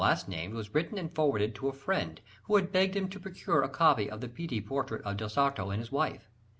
His poem on the last named was written and forwarded to a friend, who had begged him to procure a copy of the Pitti portrait of Del Sarto and his wife.